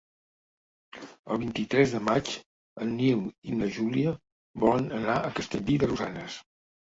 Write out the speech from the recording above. El vint-i-tres de maig en Nil i na Júlia volen anar a Castellví de Rosanes.